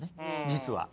実は。